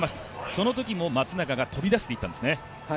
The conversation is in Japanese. そのときも、松永が飛び出していったんですね。